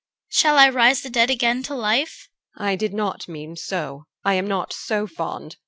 Shall I raise the dead again to life? EL. I did not mean so. I am not so fond.